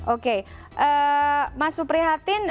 oke mas supriyatin